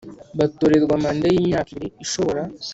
Batorerwa manda y imyaka ibiri ishobora